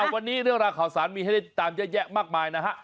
วันนี้เรื่องราวข่าวสารมีให้ได้ตามเยอะแยะมากมายนะฮะ